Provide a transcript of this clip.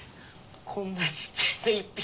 こんなちっちゃいの１匹。